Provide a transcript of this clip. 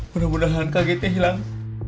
mudah mudahan kagetnya hilang